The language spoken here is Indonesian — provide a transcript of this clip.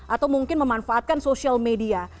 atau mungkin memanfaatkan media sosial